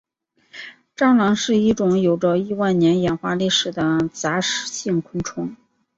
蟑螂是一种有着亿万年演化历史的杂食性昆虫。